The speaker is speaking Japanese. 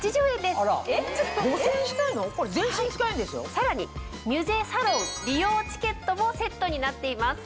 さらにミュゼサロン利用チケットもセットになっています。